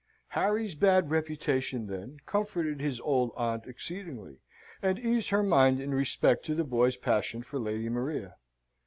Harry's bad reputation, then, comforted his old aunt exceedingly, and eased her mind in respect to the boy's passion for Lady Maria.